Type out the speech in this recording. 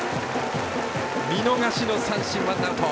見逃し三振、ワンアウト。